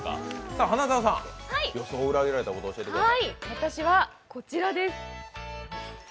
私は、こちらです。